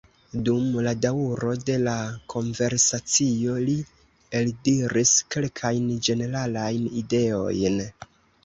Dum la daŭro de la konversacio, li eldiris kelkajn ĝeneralajn ideojn.